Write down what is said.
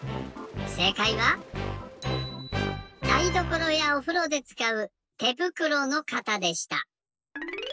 せいかいはだいどころやおふろでつかうてぶくろの型でした。